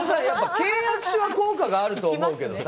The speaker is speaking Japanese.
契約書の効果はあると思うけどさ